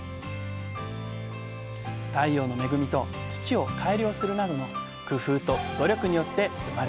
太陽の恵みと土を改良するなどの工夫と努力によって生まれる